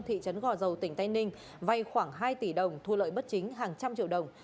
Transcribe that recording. thị trấn gò dầu tỉnh tây ninh vay khoảng hai tỷ đồng thu lợi bất chính hàng trăm triệu đồng